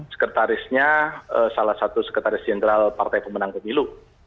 sekretarisnya salah satu sekretaris jenderal partai pemenang pemilu